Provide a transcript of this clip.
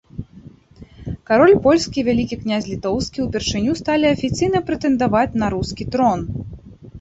Кароль польскі і вялікі князь літоўскі ўпершыню сталі афіцыйна прэтэндаваць на рускі трон.